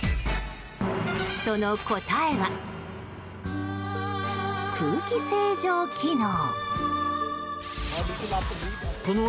その答えは、空気清浄機能。